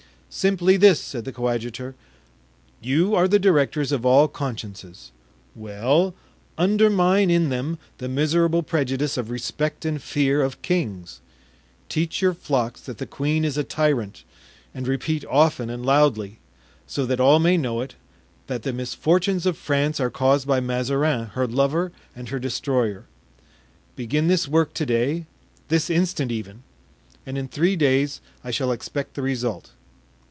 "Simply this," said the coadjutor. "You are the directors of all consciences. Well, undermine in them the miserable prejudice of respect and fear of kings; teach your flocks that the queen is a tyrant; and repeat often and loudly, so that all may know it, that the misfortunes of France are caused by Mazarin, her lover and her destroyer; begin this work to day, this instant even, and in three days I shall expect the result.